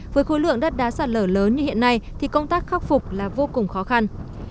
với khối lượng đất đá sạt lở lớn như hiện nay thì công tác khắc phục là vô cùng khó khăn